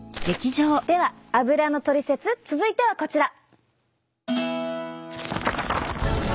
ではアブラのトリセツ続いてはこちら。